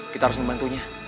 kita harus membantunya